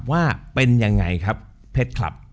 ว่าเป็นยังไงครับเพชรคลับ